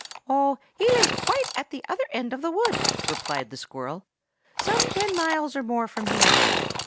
"Oh, he lives quite at the other end of the wood!" replied the squirrel; "some ten miles or more from here.